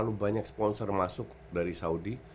terlalu banyak sponsor masuk dari saudi